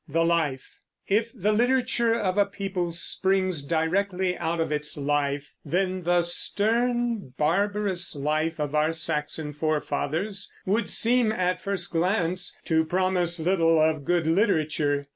THE LIFE. If the literature of a people springs directly out of its life, then the stern, barbarous life of our Saxon forefathers would seem, at first glance, to promise little of good literature.